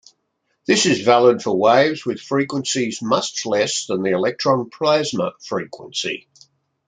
This is valid for waves with frequencies much less than the electron plasma frequency.